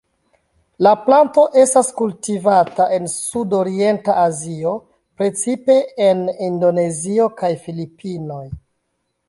La planto estas kultivata en sudorienta Azio, precipe en Indonezio kaj Filipinoj.